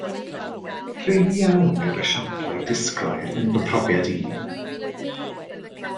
Prin iawn yw'r esiamplau disglair yn fy mhrofiad i